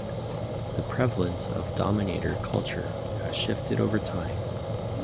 The prevalence of dominator culture has shifted over time.